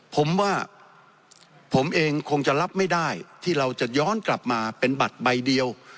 ผมว่าผมเองคงจะรับไม่ได้ที่เราจะย้อนกลับมาเป็นบัตรใบเดียว